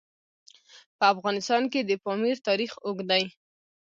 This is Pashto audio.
په افغانستان کې د پامیر تاریخ اوږد دی.